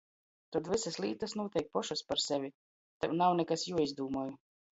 Tod vysys lītys nūteik pošys par sevi, tev nav nikas juoizdūmoj.